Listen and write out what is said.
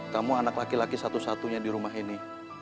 kamu anak laki laki satu satunya di rumah ini